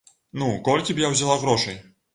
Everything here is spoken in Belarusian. Ну, колькі б я ўзяла грошай?